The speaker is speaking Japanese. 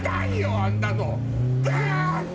あんなの！バーンって！